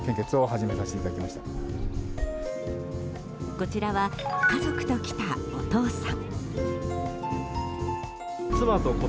こちらは家族と来たお父さん。